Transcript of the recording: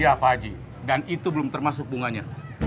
oh ya pak haji dan itu belum termasuk bunganya